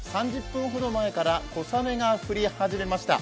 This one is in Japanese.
３０分ほど前から小雨が降り始めました。